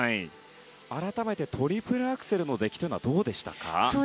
改めてトリプルアクセルの出来はどうでしたか？